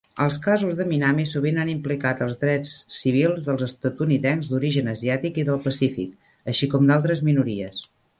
Els casos de Minami sovint han implicat els drets civils dels estatunidencs d'origen asiàtic i del Pacífic, així com d'altres minories.